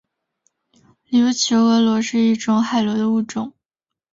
琉球峨螺是一种海螺的物种。